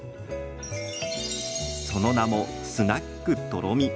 その名もスナック都ろ美。